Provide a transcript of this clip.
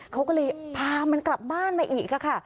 เขาก็เลยพามันกลับบ้านมาอีกค่ะ